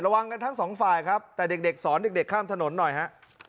วังกันทั้งสองฝ่ายครับแต่เด็กสอนเด็กข้ามถนนหน่อยฮะ